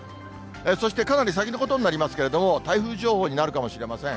そして、かなり先のことになりますけれども、台風情報になるかもしれません。